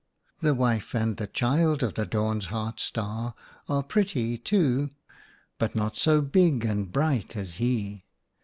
The wife and the child of the Dawn's Heart Star are pretty, too, but not so big and bright as he.